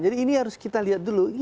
jadi ini harus kita lihat dulu